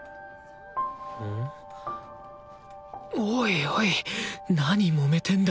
おいおいなにもめてんだ